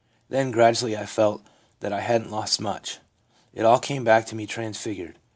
Then gradually I felt that I hadn't lost much — it all came back to me transfigured.